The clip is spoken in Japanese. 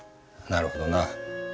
なるほどな。